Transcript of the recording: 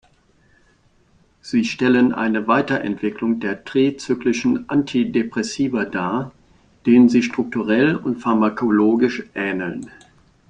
Sie stellen eine Weiterentwicklung der trizyklischen Antidepressiva dar, denen sie strukturell und pharmakologisch ähneln.